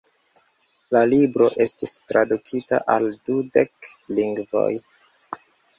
La libro estis tradukita al dudek lingvoj.